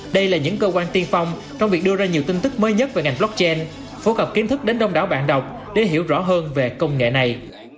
đây là những cơ quan tiên phong trong việc đưa ra nhiều tin tức mới nhất về ngành blockchain phổ cập kiến thức đến đông đảo bạn đọc để hiểu rõ hơn về công nghệ này